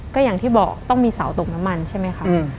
ก็อย่างที่บอกต้องมีเสาตกน้ำมันใช่ไหมคะ